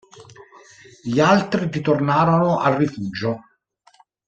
Gli altri ritornarono al rifugio.